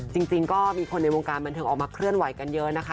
จริงก็มีคนในวงการบันเทิงออกมาเคลื่อนไหวกันเยอะนะคะ